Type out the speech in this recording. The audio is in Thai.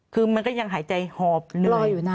คือมันก็ยังหายใจหอบเลย